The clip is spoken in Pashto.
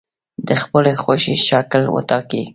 د خپلې خوښې شکل وټاکئ.